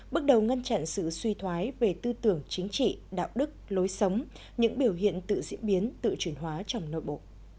bước đầu ngăn chặn sự suy thoái về tư tưởng chính trị đạo đức lối sống những biểu hiện tự diễn biến tự chuyển hóa trong nội bộ